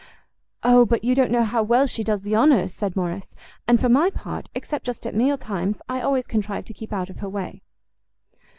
"O but you don't know how well she does the honours," said Morrice; "and for my part, except just at meal times, I always contrive to keep out of her way."